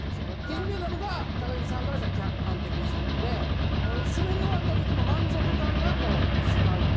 金メダルが木さんからしたら客観的真理で滑り終わった時の満足感がこう主体的真理。